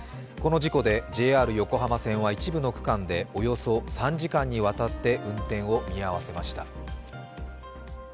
この事故で、ＪＲ横浜線は一部の区間でおよそ３時間にわたって運転を見合わせました。